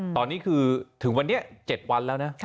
ตอนนี้คือถึงวันนี้๗วันแล้วนะ